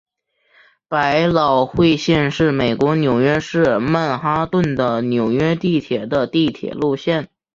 百老汇线是美国纽约市曼哈顿的纽约地铁的地铁路线。